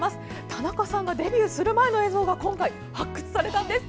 田中さんがデビューする前の映像が発掘されたんです。